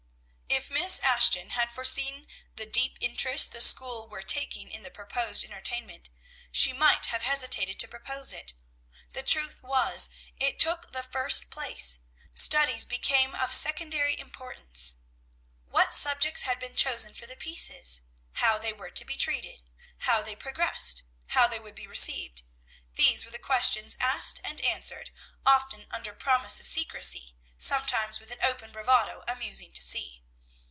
If Miss Ashton had foreseen the deep interest the school were taking in the proposed entertainment, she might have hesitated to propose it. The truth was, it took the first place; studies became of secondary importance. "What subjects had been chosen for the pieces? how they were to be treated? how they progressed? how they would be received?" These were the questions asked and answered, often under promise of secrecy, sometimes with an open bravado amusing to see.